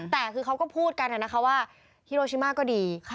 แต่เขาก็พูดกันฮิโรชิม่าก็ดี